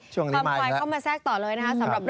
ทำควายเข้ามาแทรกต่อเลยนะคะ